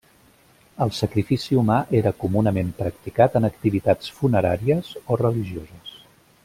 El sacrifici humà era comunament practicat en activitats funeràries o religioses.